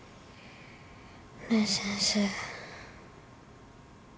ねえ先生。